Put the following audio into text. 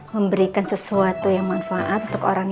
memberikan sesuatu yang manfaat untuk orang